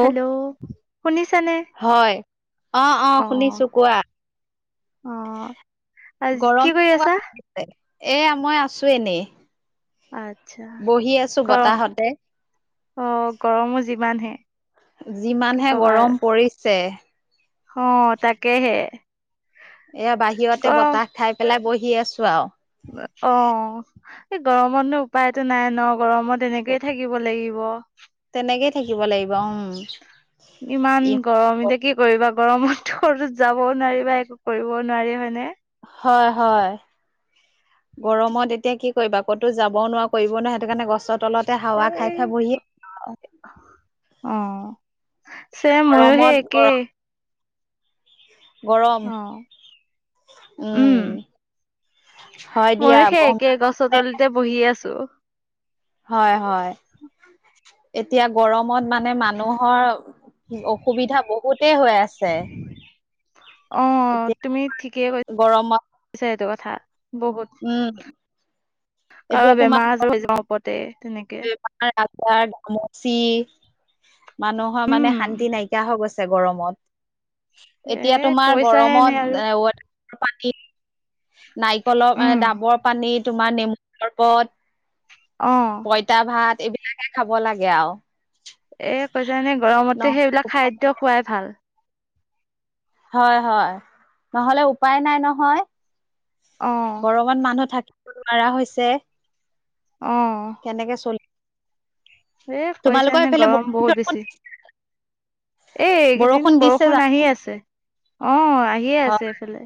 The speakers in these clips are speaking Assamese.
হেল্ল' শুনিছানে? হয় অ অ'। শুনিছো কোৱা অ' আজ গৰম কি কৰি কেনেকুৱা আছা? পৰিছে? এয়া মই আছোঁ এনেই। আচ্ছা। বহি আছো ক অ' বতাহতে গৰম গৰমো যিমানহে। কি যিমানহে কবা আৰু গৰম পৰিছে। অ' তাকেহে। এয়া বাহিৰতে গৰম বতাহ খাই পেলাই বহি আছোঁ আৰু। অ' এই গৰমতনো উপায়টো নাই ন'? গৰমত এনেকেই থাকিব লাগিব। তেনেকেই থাকিব লাগিব, উম। ইমান গৰম এতিয়া কি কৰিবা, গৰমততো ক'তো যাবওঁ নোৱাৰি বা একো কৰিবও নোৱাৰি হয়নে? হয়, হয়। গৰমত এতিয়া কি কৰিবা, ক'তো যাবওঁ নোৱাৰা, কৰিব নোৱাৰা সেইটো কাৰণে গছৰ তলতে হাৱা এই খাই খাই বহি অ' ছেম ময়ো সেই গৰমত একেই। গৰম গৰম। অ উম, হয় দিয়া ময়ো ব সেই একে গছৰ তলিতে [unintelligible] বহি আছোঁ। হয় হয়। এতিয়া গৰমত মানে মানুহৰ অসুবিধা বহুতেই হৈ আছে। অ' এতিয়া তুমি ঠিকেই কৈ গৰমত ছা এইটো কথা বহুত। উম। এতিয়া কাৰণ বেমাৰ আজাৰ হৈ যাব ওপতে তেনেকে। [unintelligible] গামচি, মানুহৰ মানে উম শান্তি নাইকিয়া হৈ গৈছে। তাই গৰমত। এ এতিয়া তোমাৰ কৈছাহে এনে আৰু গৰমত আ [unintelligible] নাৰিকলৰ উম ডাবৰ পানী, তোমাৰ নেমু চৰ্বত অ'। পইতা ভাত এইবিলাকে খাব লাগে আৰু। এ, কৈছ এনে গৰমতে নহলে সেইবিলাক উপায় খাদ্য খোৱাই ভাল। হয় হয়, নহ'লে উপায় নাই নহয়। অহ'। ঘৰত মানুহ থাকিব নোৱাৰা হৈছে। অহ'। তেনেকে চলি এ তোমালোকৰ কৈছানে, এনে এইফালে গৰম বহুত বৰষুণ বেছি। এই এইকেইদিন দিছে জানো বৰষুণ আহি আছে, অহ আহিয়ে হয় আছে এইফালে,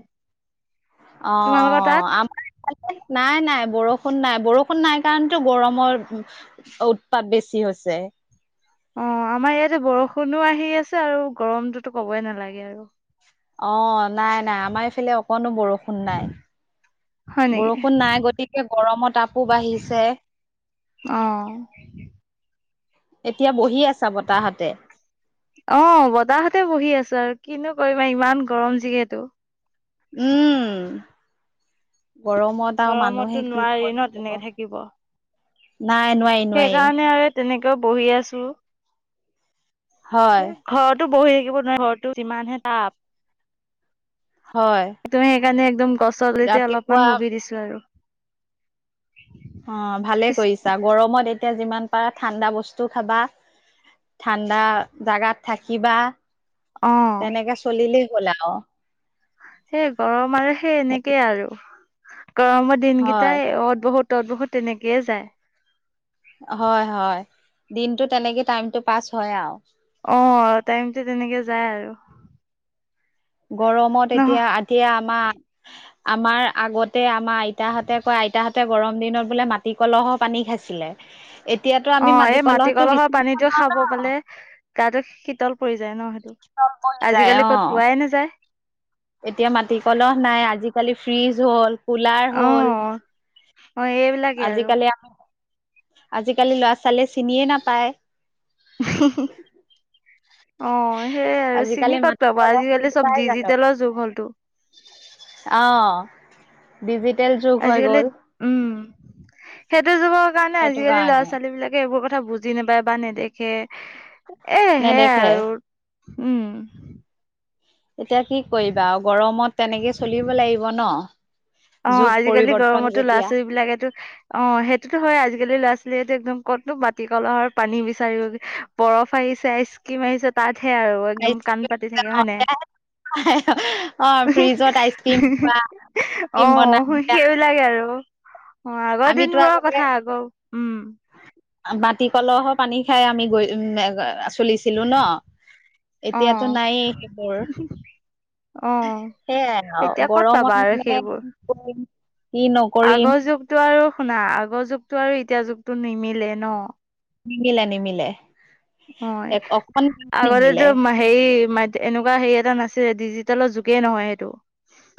অ অ তোমালোকৰ তাত আমাৰ নাই নাই বৰষুণ নাই বৰষুণ নাই কাৰনেটো গৰমত উৎপাত বেছি হৈছে। অ' আমাৰ ইয়াতে বৰষুণো আহি আছে আৰু গৰমটোতো ক'বই নালাগে আৰু। অ' নাই নাই আমাৰ ইফালে অকনো বৰষুণ নাই। হয় নেকি বৰষুণ নাই, গতিকে গৰমৰ তাপো বাঢ়িছে। অহ। এতিয়া বহি আছা বতাহতে। অ' বতাহতে বহি আছো আৰু কিনো কৰিম আৰু ইমান গৰম যিহেতু। উম গৰমত আৰু মানুহে গৰমতো কি নোৱাৰি ন' কৰিব তেনেকে থাকিব। নাই নোৱাৰি। নোৱাৰি সেইকাৰণে আৰু তেনেকৈ বহি আছো। হয় ঘৰতো বহি থাকিব নোৱাৰে, ঘৰতো যিমানহে তাপ। হয়। তুমি সেইকাৰণে একদম গছৰ তলিতে ৰাতিপুৱা অলপমান বহি দিছোঁ আৰু। অ' ভালে পিছ কৰিছা গৰমত এতিয়া যিমান পাৰা ঠাণ্ডা বস্তু খাবা। ঠাণ্ডা জাগাত থাকিবা, অ তেনেকে চলিলেই হ'ল আৰু। সেই গৰম আৰু সেই এনেকেই আৰু। গৰমৰ হয় দিনকেইটা অত বঢ়ো টত বড়ো, তেনেকেই যায়। হয় হয় দিনতটো তেনেকে টাইমটো পাছ হয় আৰু। অ টাইমটো তেনেকে যায় আৰু। গৰমত নহ এতিয়া, এতিয়া আমাৰ আমাৰ আগতে আমাৰ আইতাহঁতে কয়, আইতাহঁতে গৰম দিনত বোলে মাটি কলহৰ পানী খাইছিলে। [unintelligible] অ আমি এই মাটি কলহটো কলহৰ বিচাৰি পানীটো নাপাওঁ, খাব পালে গাটো শীতল পৰি যায় ন। তল পৰি যায় অ আজিকালি ক'ত পোৱাই নাযায়। এতিয়া মাটি কলহ নাই, আজিকালি ফ্ৰিজ হ'ল কুলাৰ অ হ'ল অ এইবিলাকেই আৰু আজিকালি আকৌ আজিকালি ল'ৰা ছোৱালীয়ে চিনিয়ে নাপায়। [unintelligible] অ সেয়াই আজিকালি চিনি ক'ত মাটি পাব কলহ আজিকালি চব ডিজিটেলৰ যুগ হ'লটো। অহ ডিজিটেল যুগ হৈ আজিকালি গ'ল। উম সেইটো যুগৰ কাৰণে সেইটো আজিকালি ল'ৰা কাৰণে ছোৱালী বিলাক এইবোৰ কথা বুজি নাপায় বা নেদেখে, এ সেয়াই নেদেখে আৰু। উম। এতিয়া কি কৰিবা আৰু গৰমত তেনেকে চলিব লাগিব ন'। অ' যুগ আজিকালি পৰিৱৰ্তন গৰমতো ল'ৰা যেতিয়া ছোৱালী বিলাকেতো অ' সেইটোতো হয়ে, আজিকালি ল'ৰা ছোৱালীটো একদম ক'তো মাটি কলহৰ পানী বিচাৰিগে। বৰফ আহিছে, আইস্কিম আহিছে, তাতহে আৰু‌ আইচক্ৰীম [unintelligible] অ', ফ্ৰিজত আইচক্ৰীম থোৱা। অ', সেইবিলাকে আৰু অ', আগৰ আমিতো দিনবোৰৰ আগতে কথা আকৌ, উম। মাটি কলহ পানী খাই, আমি গৈ, উম, চলিছিলো ন। অ এতিয়াতো নাইেই সেইবোৰ। অ সেইয়াই আৰু, এতিয়া ক'ত পাবা গৰমত আৰু মানে সেইবোৰ কি কৰিম, কি নকৰিম। টো আৰু শুনা আগৰ যুগতটো আৰু এতিয়া যুগতটো নিমিলে ন। নিমিলে নিমিলে, হয় এক অকণ [unintelligible] নিমিলে। আগতেতো হেৰি ম এনেকুৱা হেৰি এটা নাছিলে ডিজিটেলৰ যুগে নহয় সেইটো।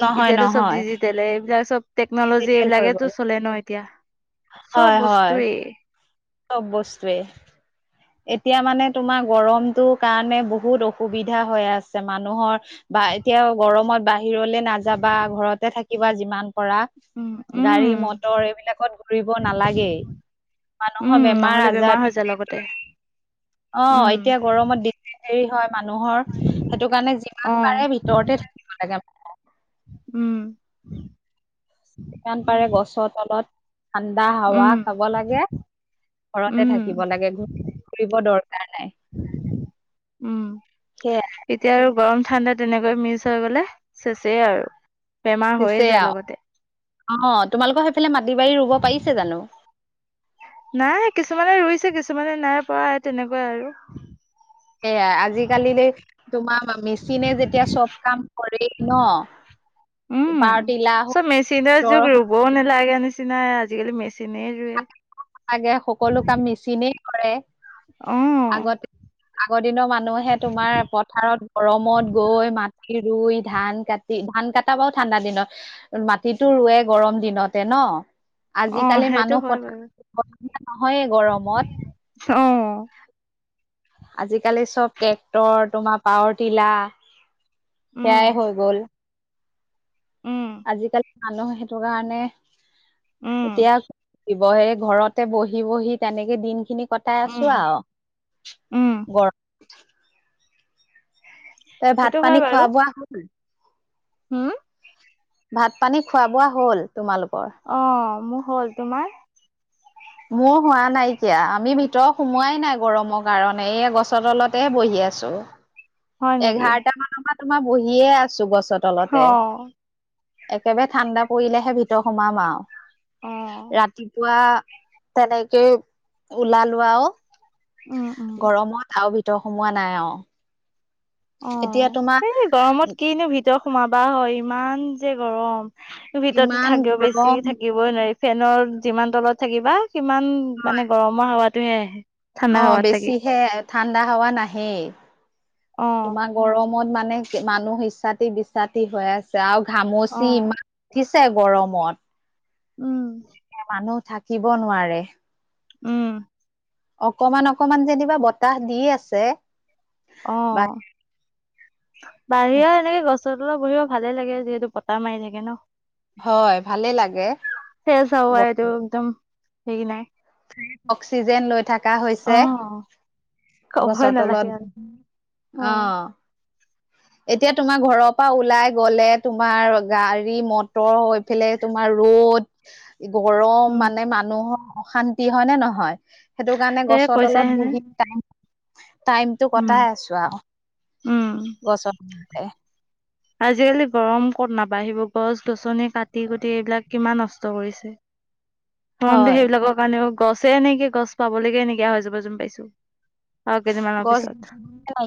নহয় এতিয়াতো চব নহয় দিজিতেলে এইবিলাক চব টেকনলজি ডিজিটেল হৈ এইবিলাকেটো গ'ল চলে ন এতিয়া, চব হয় হয় বস্তুয়েই। চব বস্তুৱে। এতিয়া মানে তোমাৰ গৰমটো কাৰণে বহুত অসুবিধা হৈ আছে, মানুহৰ বা এতিয়া গৰমত বাহিৰলে নাযাবা, ঘৰতে থাকিবা যিমান পাৰা। উম উম গাড়ী মটৰ এইবিলাকত ঘূৰিব নালাগেই। উম মানুহৰ বেমাৰ নহলে হৈ আজাৰ যায় লগতে [unintelligible] অ', উম এতিয়া গৰমত দি দি দেৰি হ'য়। মানুহৰ, সেইটো কাৰণে অ যিমান পাৰে ভিতৰতে থাকিব লাগে উম। যিমান পাৰে গছৰ তলত ঠাণ্ডা হাৱা উম খাব লাগে, ঘৰতে থাকিব উম লাগে। ঘুৰিব দৰকাৰ নাই। উম সেয়াই এতিয়া আৰু গৰম ঠাণ্ডা তেনেকৈ মিক্স হৈ গ'লে, চেচেই আৰু। বেমাৰ হৈয়ে চেচেই যায় আৰু, লগতে অ' তোমালোকৰ সেইফালে মাটি বাৰী ৰুব পাৰিছে জানো? নাই কিছুমানে ৰুইছে, কিছুমানে নাই পৰা সেই তেনেকুৱাই আৰু। সেয়াই আজিকালি তোমাৰ মেচিনে যেতিয়া চব কাম কৰেই ন উম পাৰটিলা, চব মেচিনৰ [unintelligible] [unintelligible] নালাগে নিচিনাই আজিকালি মেচিনে ৰুৱে। আগে সকলো কাম মেচিনে কৰে। উম। আগতে, আগৰ দিনৰ মানুহে তোমাৰ পথাৰত গৰমত গৈ, মাত ৰুই, ধান কাটি, ধান কটা বাৰু ঠাণ্ডা দিনত। মাটিতো ৰুৱে গৰম দিনতে ন, অ আজিকালি সেইটো মানুহ হয় পথাৰত বাৰু [unintelligible] নহয়ে গৰমত। অ'। আজিকালি চব ট্ৰেক্টৰ তোমাৰ পাৱাৰটিলাৰ, উম সেয়াই হৈ গ'ল। উম। আজিকালি মানুহ সেইটো কাৰণে, উম এতিয়া শিৱহে ঘৰতে বহি, বহি তেনেকে দিন খিনি কটাই উম আছো আৰু। উম গৰম তই ভাত সেইটো পানী খোৱা বোৱা হ'ল? উম? ভাত পানী খোৱা বোৱা, হ'ল তোমালোকৰ? অ', মোৰ হ'ল, তোমাৰ? মোৰ হোৱা নাইকিয়া আমি ভিতৰৰ সোমোৱাই নাই গৰমৰ, কাৰণে এই গছৰ তলতে বহি আছো। হয় নেকি এঘাৰটা মানৰ পৰা তোমাৰ বহিয়ে আছো গছৰ অ তলতে একেবাৰে ঠাণ্ডা, পৰিলেহে ভিতৰত সোমাম অ আৰু ৰাতিপুৱা তেনেকে ওলালোৱাও আৰু উম উম গৰমত আৰু ভিতৰত সোমোৱা নাই আৰু। অ', এতিয়া তোমাৰ এই গৰমত, কিনো ভিতৰত সোমাবা হয় ইমান যে গৰম, ভিতৰতো ইমান থাকেও বেছি গৰম থাকিব। ই নোৱাৰি ফেনৰ যিমান তলত থাকিবা সিমান মানে গৰমৰ, হাৱাতোহে আহে। ঠাণ্ডা অ হাৱাত থাকি বেছিহে ঠাণ্ডা, হাৱা নাহেই অ তোমাক গৰমত, মানে মানুহ ইছাটি -বিচাতি হৈ আছে আৰু অ ঘামচি, ইমান উঠি হে গৰমত, উম মানুহ থাকিব নোৱাৰে। উম অকমান অকমান যেনিবা বতাহ দি আছে। বা অ বাহিৰৰ এনেকে গছ তলা বহিব ভালে লাগে যিহেতু পতা মাৰি থাকে ন। হয় ভালে লাগে সে আছা হাইটো একদম সেৰি নাই। অক্সিজেন লৈ থাক। কা অ হৈছে ক'বই গছৰ, নালাগে আৰু তলত অ এতিয়া তোমাৰ ঘৰৰ পৰা ওলাই গ'লে তোমাৰ গাড়ী মটৰ হৈ ইপেলে তোমাৰ ৰ'দ গৰম উম মানে মানুহৰ অশান্তি হয় নে নহয়। সেইটো কাৰণে এ গছৰ কৈছেহে তলত যে বহি টাইম টো উম কটাই আছো। আৰু উম চায় [unintelligible] আজিকালি গৰম ক'ত নাপাঢ়িব গছ গছনি কাটি কুটি এইবিলাক কিমান নষ্ট কৰিছে। [inaudible] ম হয় সেইবিলাকৰ কাৰণেও গছে, এনেকে গছ, পাবলৈকে এ নাইকিয়া হৈ যাব যম পাইছো আৰু কেইদিনমানৰ পিছত।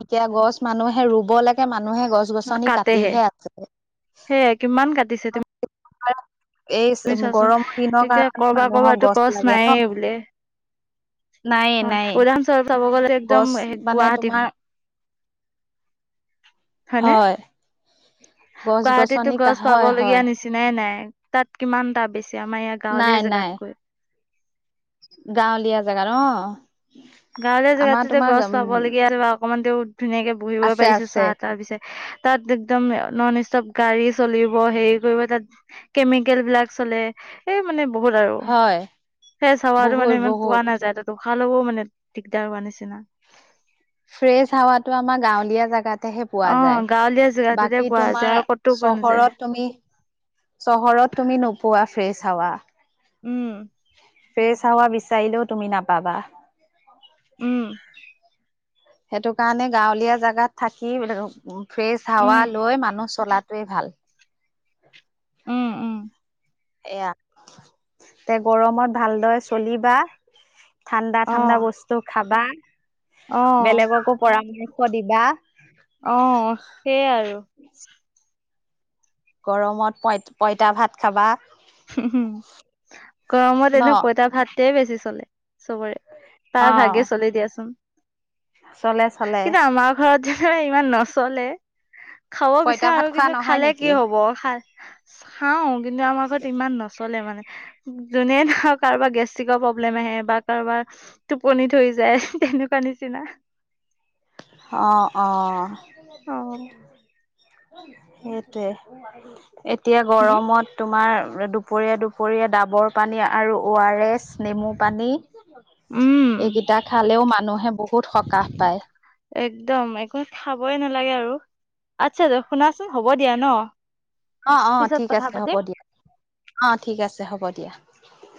এতিয়া গছ মানুহে ৰুব লাগে মানুহে গছ,। গছ -গছনি কাটেহে কাটিহে আছে। সেয়াই কিমান কাটিছে তুমি এই তুমি চোৱাচোন গৰমৰ, দিনৰ এতিয়া কাৰণে কৰবাত মানুহক কৰবাতো গছ, লাগে ন। নাইয়ে নায়ে হয় নায়ে উলাম চ চাব গ'লে একদম গছ মানে গুৱাহাটী তোমাৰ হয়। হয়নে হয়- গছ গুৱাহাটীতো, গছনি গছ, হয় হয় পাবলগীয়া নিচিনা। ব চিনাই নাই তাত কিমান দটা বেছি আমাৰ ইয়াৰ নাই গাঁৱলীয়া নাই জেগাতকৈ। গাঁৱলীয়া জেগাত অ গাঁৱলীয়া, আমাৰ জেগাতো তোমাৰ গছ উম পাবলগীয়া অকনমান তেওঁ ধুনীয়াকে বহিবই আছে পাৰিছো আছে চাহ- তাৰ পিছত। তাত একদম নন ষ্টপ গাড়ী চলিব হেৰি কৰিব তাত কেমিকেল বিলাক চলে সেই মানে বহুত আৰু হয় সেই চাৱাটো মানে বহুত ইমান পোৱা বহুত নাযায় ত উশাহ লবও মানে। দিগদাৰ হোৱা নিছি না। ফ্ৰেছ, হাৱাতটো আমাৰ গাঁৱলীয়া, জাগাতহে না। তাতেহে পোৱা অ যায়, গাঁৱলীয়া জেগাটোতে বাকী পোৱা যায় তোমাৰ আৰু ক'তো পোৱা নাযায় চহৰত তুমি, ‌চহৰত তুমি নোপোৱা ফ্ৰেছ হাৱা। উম ফ্ৰেছ হাৱা বিচাৰিলেও তুমি নাপাবা। উম। সেইটো কাৰণে গাঁৱলীয়া জেগাত থাকি, ফ্ৰেছ হাৱা উম লৈ মানুহ চলাতোৱে ভাল। উম উম এয়া তে গৰমত ভালদৰে চলিবা ঠাণ্ডা অ ঠাণ্ডা বস্তু খাবা, অ বেলেগকো পৰামৰ্শ দিবা অ', সেইয়াই আৰু। গৰমত পঁইত, পঁইতা ভাত খাবা। উম, গৰমত ন এনেও পঁইতা ভাতে বেছি চলে। সবৰে, অ তাৰ ভাগে চলি দিয়াচোন। চলে চলে কিন্তু আমাৰ ঘৰত যে ইমান নচলে খাব পঁইতা ভাত বিচাৰোঁ, খোৱা কিন্তু নহয় খালে নেকি কি হব খা, খাও কিন্তু আমাৰ ঘৰত ইমান নচলে মানে, যোনে ধৰক কাৰোবাৰ গেষ্ট্ৰিকৰ প্ৰব্লেম আহে বা কাৰোবাৰ টোপনি ধৰি যায় তেনেকুৱা নিচিনা। অ', অ', অ সেইটোৱে। এতিয়া হুম গৰমত তোমাৰ, দুপৰীয়া দুপৰীয়া ডাবৰ পানী আৰু অ' - আৰ - এছ, নেমু পানী উম এইকেইটা খালেও মানুহে বহুত সকাহ পায়। একদম একো খাবই নালাগে আৰু, আচ্ছা দ শুনাচোন হ'ব দিয়া ন অ', অ', পিছত ঠিক কথা আছে হ'ব পাতিম দিয়া, অ', ঠিক আছে, হ'ব দিয়া।